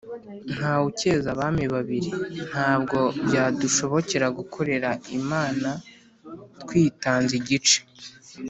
“nta wucyeza abami babiri” ntabwo byadushobokera gukorera imana twitanze igice